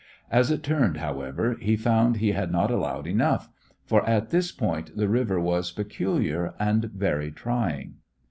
As it turned, however, he found he had not allowed enough, for at this point the river was peculiar and very trying.